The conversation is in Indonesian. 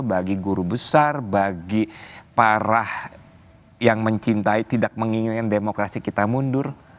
bagi guru besar bagi para yang mencintai tidak menginginkan demokrasi kita mundur